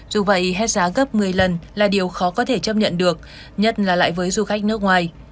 dù vậy hết giá gấp một mươi lần là điều khó có thể chấp nhận được nhất là lại với du khách nước ngoài